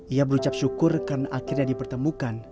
ia berucap syukur karena akhirnya dipertemukan